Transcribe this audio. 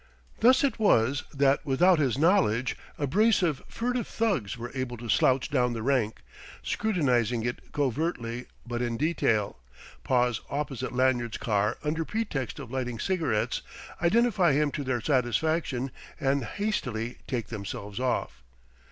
Thus it was that without his knowledge a brace of furtive thugs were able to slouch down the rank, scrutinizing it covertly but in detail, pause opposite Lanyard's car under pretext of lighting cigarettes, identify him to their satisfaction, and hastily take themselves off.